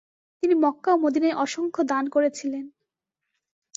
তিনি মক্কা ও মদিনায় অসংখ্য দান করেছিলেন ।